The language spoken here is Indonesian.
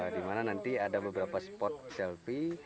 di mana nanti ada beberapa spot selfie